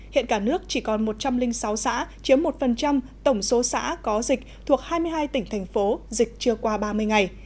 hiện cả nước chỉ còn một trăm linh sáu xã chiếm một tổng số xã có dịch thuộc hai mươi hai tỉnh thành phố dịch chưa qua ba mươi ngày